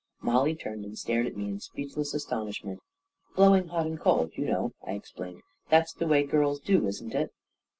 Mollie turned and stared at me in speechless as tonishment. " Blowing hot and cold, you know," I explained, " That's the way girls do, isn't it?